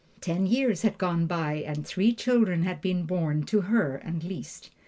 Ten years had gone by and three children had been born to her and Liszt.